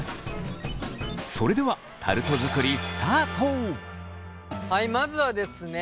それではタルト作りはいまずはですね